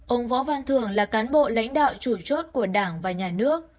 ông võ văn thường là cán bộ lãnh đạo chủ chốt của đảng và nhà nước